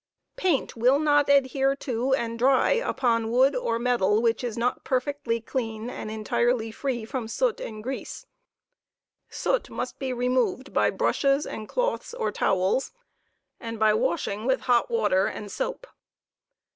200. Paint will not adhere to and dry upon wood or metal which is not perfectly on^iido^orik^ and entirely free from soot and grease. rorp*i^s. tt4m Soot must bo removed by brushes and cloths or towels, and by washing with hot water and soap.